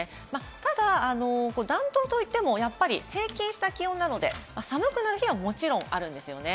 ただ、暖冬といっても平均した気温なので、寒くなる日はもちろんあるんですね。